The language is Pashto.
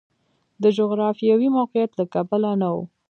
د جغرافیوي موقعیت له کبله نه و.